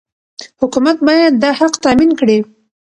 حکومت باید دا حق تامین کړي.